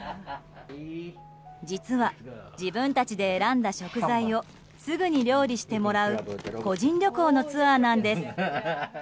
実は、自分たちで選んだ食材をすぐに料理してもらう個人旅行のツアーなんです。